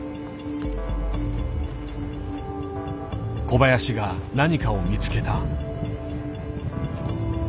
小林が何かを見つけた。